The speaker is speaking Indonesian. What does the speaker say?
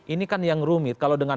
ini kan yang rumit kalau dengan